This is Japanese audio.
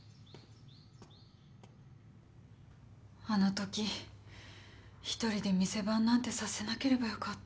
あのとき１人で店番なんてさせなければよかった。